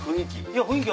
雰囲気。